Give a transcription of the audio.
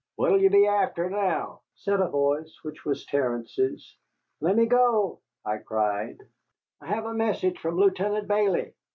"What 'll ye be afther now?" said a voice, which was Terence's. "Let me go," I cried, "I have a message from Lieutenant Bayley."